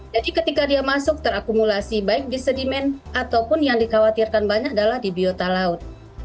jadi ketika dia masuk terakumulasi baik di sedimen ataupun yang dikhawatirkan banyak adalah di biota laut